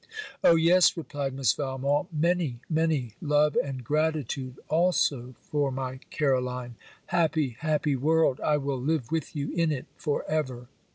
'Oh yes,' replied Miss Valmont, 'many, many! Love and gratitude also for my Caroline! happy happy world! I will live with you in it for ever!'